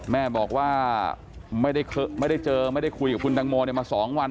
แม่บอกว่าไม่ได้เจอไม่ได้คุยกับคุณตังโมมา๒วัน